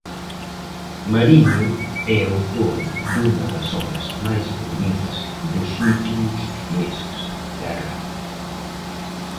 Mariño é autor dunha das obras máis vendidas dos últimos meses, Terra.